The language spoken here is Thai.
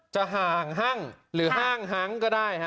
จะห่างหั้งหรือห่างหั้งก็ได้